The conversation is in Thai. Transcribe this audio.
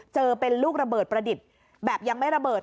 เจอเป็นลูกระเบิดประดิษฐ์แบบยังไม่ระเบิด